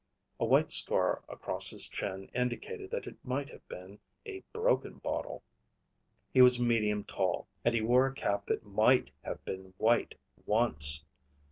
A white scar across his chin indicated that it might have been a broken bottle. He was medium tall, and he wore a cap that might have been white once.